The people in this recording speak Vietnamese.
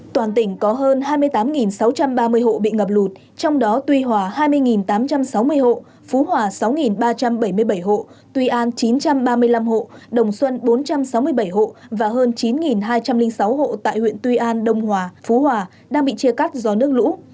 toàn tỉnh có hơn hai mươi tám sáu trăm ba mươi hộ bị ngập lụt trong đó tuy hòa hai mươi tám trăm sáu mươi hộ phú hòa sáu ba trăm bảy mươi bảy hộ tuy an chín trăm ba mươi năm hộ đồng xuân bốn trăm sáu mươi bảy hộ và hơn chín hai trăm linh sáu hộ tại huyện tuy an đông hòa phú hòa đang bị chia cắt do nước lũ